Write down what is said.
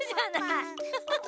フフフフ。